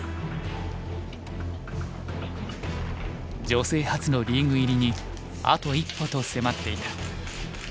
女性初のリーグ入りにあと一歩と迫っていた。